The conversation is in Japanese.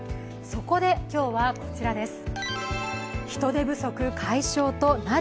そこで、今日はこちらです。